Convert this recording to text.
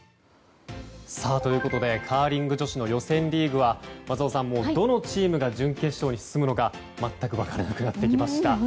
ということでカーリング女子の予選リーグは松尾さん、どのチームが準決勝に進むのか全く分からなくなってきました。